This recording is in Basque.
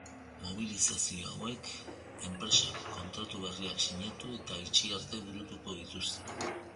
Mobilizazio hauek enpresak kontratu berriak sinatu eta itxi arte burutuko dituzte.